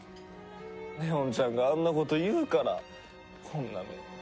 祢音ちゃんがあんなこと言うからこんな目に。